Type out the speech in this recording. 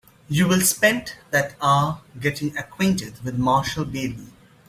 You will spend that hour getting acquainted with Marshall Bailey.